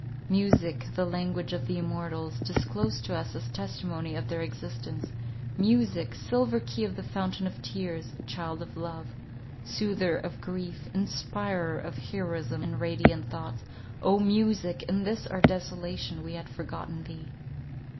Music—the language of the immortals, disclosed to us as testimony of their existence—music, "silver key of the fountain of tears," child of love, soother of grief, inspirer of heroism and radiant thoughts, O music, in this our desolation, we had forgotten thee!